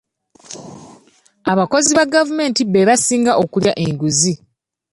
Abakozi ba gavumenti be basinga okulya enguzi .